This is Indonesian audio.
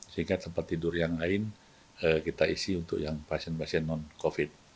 sehingga tempat tidur yang lain kita isi untuk yang pasien pasien non covid